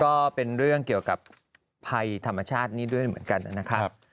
ก็เป็นเรื่องเกี่ยวกับภัยธรรมชาตินี้ด้วยเหมือนกันนะครับ